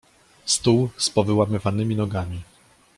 Stół z powyłamywanymi nogami.